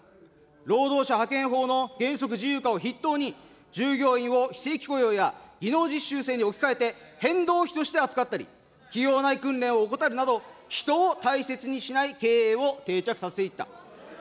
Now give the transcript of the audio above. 労働者派遣法の原則自由化を筆頭に、従業員の非正規雇用や技能実習生に置き換えて、変動費として扱ったり、企業内訓練を怠るなど、人を大切にしない経営を定着させていった。